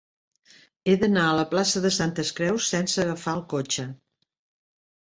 He d'anar a la plaça de Santes Creus sense agafar el cotxe.